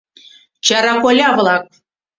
Чара коля-влак!..